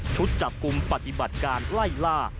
จับกลุ่มปฏิบัติการไล่ล่า